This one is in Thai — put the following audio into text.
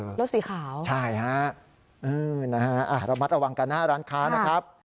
รถสีขาวใช่ฮะเออนะฮะระมัดระวังกันหน้าร้านค้านะครับ